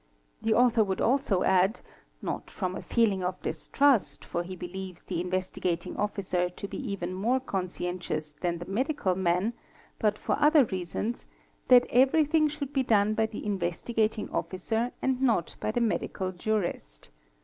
The author would also add, not from a feeling of distrust, for he believes the Investigat ing Officer to be even more conscientious than the medical man, but for other reasons, that everything should be done by the Investigating "Officer and not by the medical jurist.